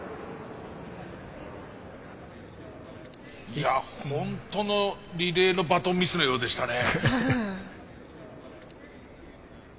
いやホントのリレーのバトンミスのようでしたね。